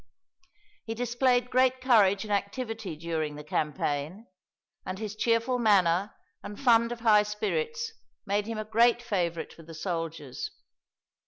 He displayed great courage and activity during the campaign, and his cheerful manner and fund of high spirits made him a great favorite with the soldiers.